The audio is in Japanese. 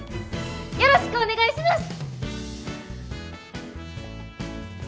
よろしくお願いします！